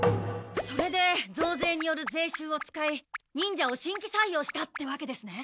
それで増税による税収を使い忍者を新規採用したってわけですね。